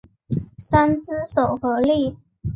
三只手合力。